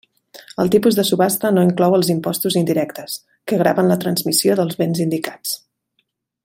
El tipus de subhasta no inclou els impostos indirectes que graven la transmissió dels béns indicats.